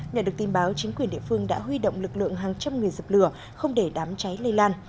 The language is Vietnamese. nhận được tin báo chính quyền địa phương đã huy động lực lượng hàng trăm người dập lửa không để đám cháy lây lan